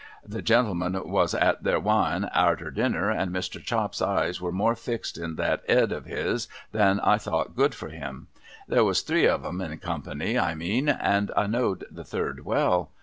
The gentlemen was at their wine arter dinner, and Mr. Chops's eyes was more fixed in that Ed of his than I thought good for him. There was three of 'em (in company, I mean), and I knowed the third well.